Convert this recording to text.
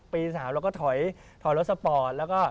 ปี๓เราก็ถอยรถสปอร์ต